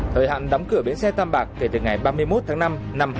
thời hạn đóng cửa bến xe tam bạc kể từ ngày ba mươi một tháng năm năm hai nghìn hai mươi bốn